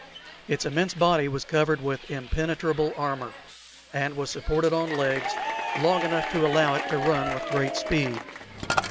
Its immense body was covered with impenetrable armor, and was supported on legs long enough to allow it to run with great speed.